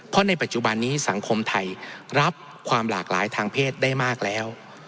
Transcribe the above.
เพราะในปัจจุบันนี้สังคมไทยรับความหลากหลายทางเพศได้มากแล้ว